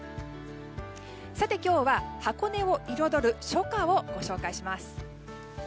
今日は、箱根を彩る初夏をご紹介します。